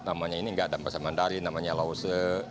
namanya ini gak ada bahasa mandari namanya lao tse